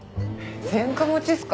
前科持ちっすか？